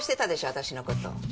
私のこと。